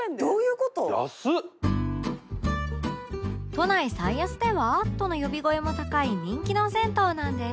都内最安では？との呼び声も高い人気の銭湯なんです